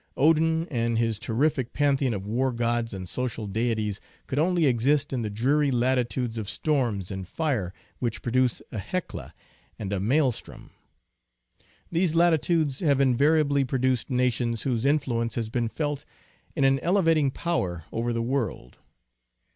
Odin and his terrific pantheon of war gods and social deities could only exist in the dreary latitudes of storms and fire which produce a Hecla and a Mael strom. These latitudes have invariably produced na tions whose influence has been felt in an elevating power over the world.